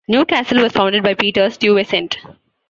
New Castle was founded by Peter Stuyvesant.